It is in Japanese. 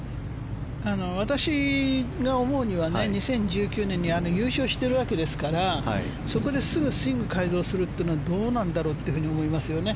私が思うには２０１９年に優勝してるわけですから、そこですぐにスイング改造するのはどうなんだろうって思いますよね